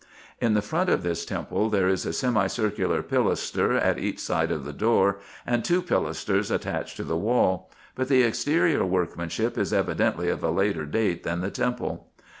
In the front of this temple there is a semicircular pilaster at each side of the door, and two pilasters attached to the wall ; but the exterior workmanship is evidently of a later date than the temple.